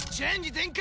全開！